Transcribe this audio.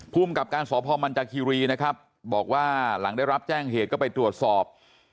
ภูมิกับการสพมันจากคีรีนะครับบอกว่าหลังได้รับแจ้งเหตุก็ไปตรวจสอบ